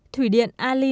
thủy điện ali